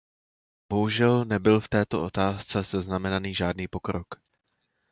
Bohužel nebyl v této otázce zaznamenaný žádný pokrok.